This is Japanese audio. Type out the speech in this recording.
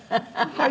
「はい。